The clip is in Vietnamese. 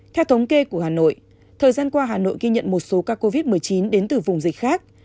theo thống kê của hà nội thời gian qua hà nội ghi nhận một số ca covid một mươi chín đến từ vùng dịch khác